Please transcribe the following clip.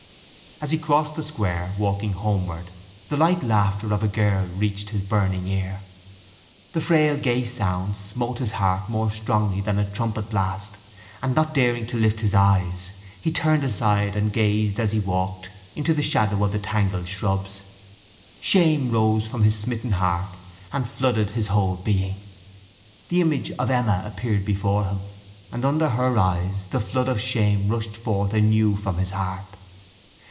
As he crossed the square, walking homeward, the light laughter of a girl reached his burning ear. The frail gay sound smote his heart more strongly than a trumpet blast, and, not daring to lift his eyes, he turned aside and gazed, as he walked, into the shadow of the tangled shrubs. Shame rose from his smitten heart and flooded his whole being. The image of Emma appeared before him, and under her eyes the flood of shame rushed forth anew from his heart.